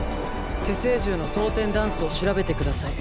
「手製銃の装填弾数を調べてください」